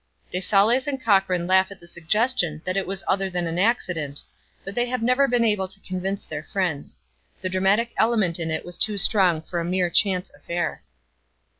De Saulles and Cochran laugh at the suggestion that it was other than an accident, but they have never been able to convince their friends. The dramatic element in it was too strong for a mere chance affair.